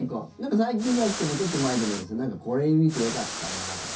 最近じゃなくてもちょっと前でもいいしこれ見て、よかったなとか。